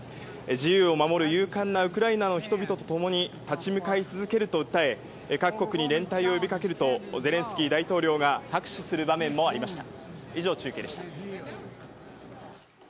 自由を守る勇敢なウクライナの人々と共に立ち向かい続けると訴え各国に連帯を呼びかけるとゼレンスキー大統領が拍手する場面もありました。